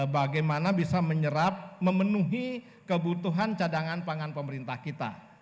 bagaimana bisa menyerap memenuhi kebutuhan cadangan pangan pemerintah kita